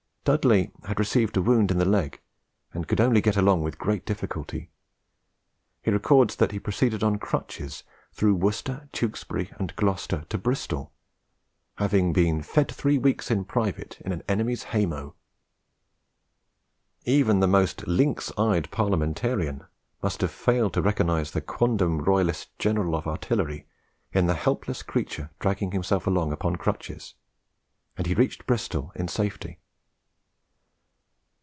Dudley had received a wound in the leg, and could only get along with great difficulty. He records that he proceeded on crutches, through Worcester, Tewkesbury, and Gloucester, to Bristol, having been "fed three weeks in private in an enemy's hay mow." Even the most lynx eyed Parliamentarian must have failed to recognise the quondam royalist general of artillery in the helpless creature dragging himself along upon crutches; and he reached Bristol in safety.